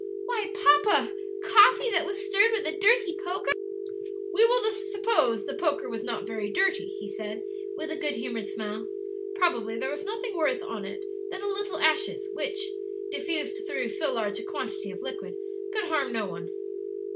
"Why, papa! coffee that was stirred with a dirty poker?" "We will suppose the poker was not very dirty," he said, with a good humored smile; "probably there was nothing worse on it than a little ashes, which, diffused through so large a quantity of liquid, could harm no one."